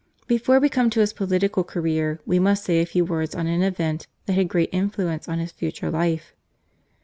Before we come to his political career we must say a few words on an event which had great influence on his future life.